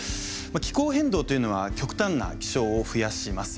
気候変動というのは極端な気象を増やします。